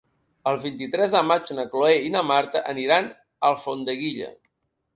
El vint-i-tres de maig na Cloè i na Marta aniran a Alfondeguilla.